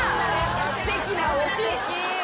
すてきなオチ。